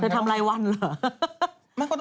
เธอทำไรวันเหรอ